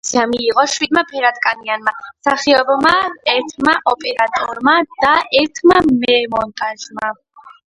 ნომინაცია მიიღო შვიდმა ფერადკანიანმა მსახიობმა, ერთმა ოპერატორმა და ერთმა მემონტაჟემ.